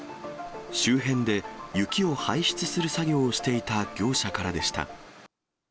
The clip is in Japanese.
周辺で雪を排出する作業をしていた業者からでした。